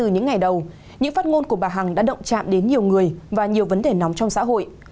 những phát ngôn của bà hằng đã động chạm đến nhiều người và nhiều vấn đề nóng trong xã hội